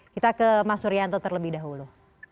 kita ke mas suryanto terlebih dahulu